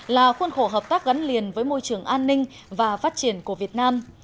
là khuôn khổ hợp tác gắn liền với môi trường an ninh và phát triển của việt nam